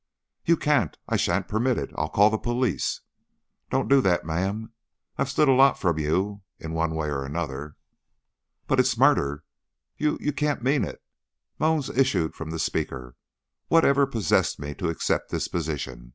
"You can't. I sha'n't permit it. I I'll call the police." "Don't do that, ma'am. I've stood a lot from you, in one way or another." "But it's murder! You you can't mean it." Moans issued from the speaker. "What ever possessed me to accept this position?